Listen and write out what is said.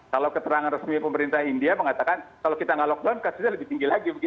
kalau keterangan resmi pemerintah india mengatakan kalau kita nggak lockdown kasusnya lebih tinggi lagi